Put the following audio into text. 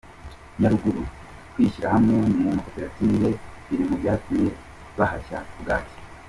Nyaruguru: Kwishyira hamwe mu makoperative biri mu byatumye bahashya bwaki .